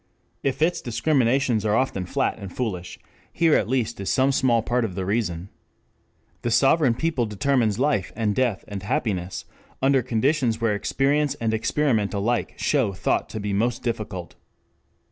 If its discriminations are often flat and foolish, here at least is some small part of the reason. The sovereign people determines life and death and happiness under conditions where experience and experiment alike show thought to be most difficult.